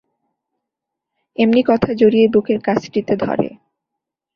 এমনি কথা জড়িয়ে বুকের কাছটিতে ধরে।